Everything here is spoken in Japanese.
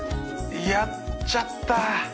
やっちゃった